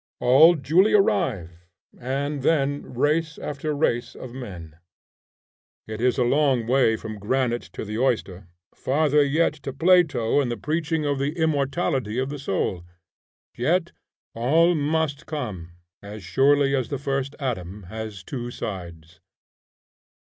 All duly arrive, and then race after race of men. It is a long way from granite to the oyster; farther yet to Plato and the preaching of the immortality of the soul. Yet all must come, as surely as the first atom has two sides.